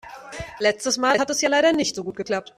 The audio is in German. Letztes Mal hat es ja leider nicht so gut geklappt.